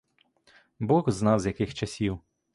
Бог зна з яких часів.